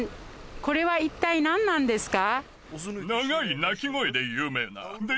これはいったい何なんですか？